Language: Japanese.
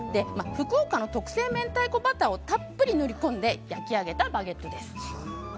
福岡の特製明太子バターをたっぷり塗りこんで焼き上げたバゲットです。